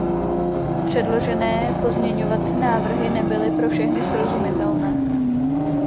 Předložené pozměňovací návrhy nebyly pro všechny srozumitelné.